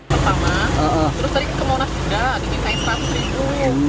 pertama terus tadi ke monas juga ada desain seratus ribu